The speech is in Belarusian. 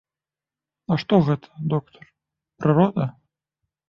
А што гэта, доктар, прырода?